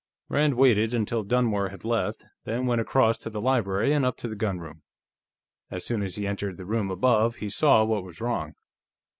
Rand waited until Dunmore had left, then went across to the library and up to the gunroom. As soon as he entered the room above, he saw what was wrong.